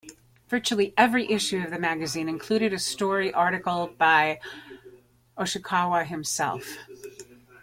Virtually every issue of the magazine included a story or article by Oshikawa himself.